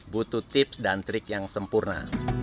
butuh tips dan trik yang sempurna